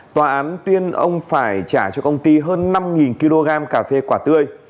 tòa án tuyên ông phải trả cho công ty hơn năm kg cà phê quả tươi